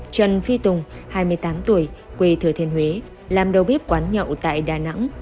trần phi tùng hai mươi tám tuổi quê thừa thiên huế làm đầu bếp quán nhậu tại đà nẵng